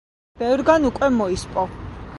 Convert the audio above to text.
ბევრგან უკვე მოისპო.